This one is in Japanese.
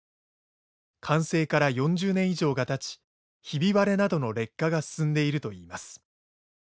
完成から４０年以上がたちひび割れなどの劣化が進んでいるといいます。